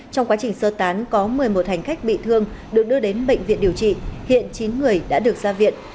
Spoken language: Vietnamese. trong quá trình sơ tán có một mươi một hành khách bị thương được đưa đến bệnh viện điều trị hiện chín người đã được ra viện